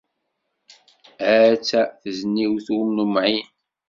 Atta tezniwt ur nemεin!